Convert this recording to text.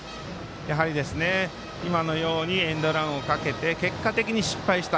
やはりエンドランをかけて結果的に失敗した。